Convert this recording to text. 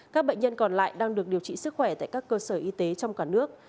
các bệnh nhân còn lại đang được điều trị sức khỏe tại các cơ sở y tế trong cả nước